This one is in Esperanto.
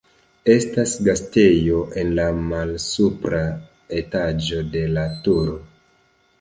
Estas gastejo en la malsupra etaĝo de la turo.